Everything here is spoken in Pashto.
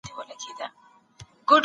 د ټولنیز انسجام لپاره کوښښ وکړه.